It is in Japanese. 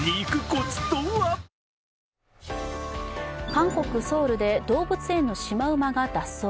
韓国ソウルで動物園のシマウマが脱走。